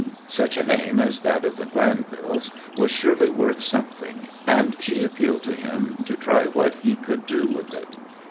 Such a name as that of the Glanvils was surely worth something, and she appealed to him to try what he could do with it.